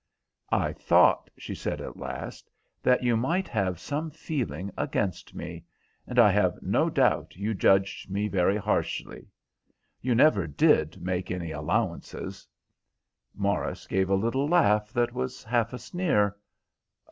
"I thought," she said at last, "that you might have some feeling against me, and I have no doubt you judge me very harshly. You never did make any allowances." Morris gave a little laugh that was half a sneer.